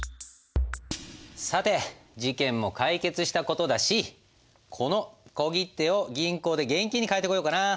さて事件も解決した事だしこの小切手を銀行で現金に換えてこようかなあ。